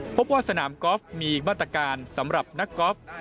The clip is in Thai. พบว่าสนามกอล์ฟมีมาตรการสำหรับนักกอล์ฟ